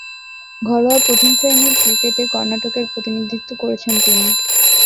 ঘরোয়া প্রথম-শ্রেণীর ক্রিকেটে কর্ণাটকের প্রতিনিধিত্ব করেছেন তিনি।